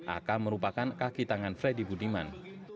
ak merupakan kaki tangan freddy budiman